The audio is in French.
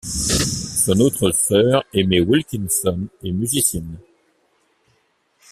Son autre sœur Aimee Wilkinson est musicienne.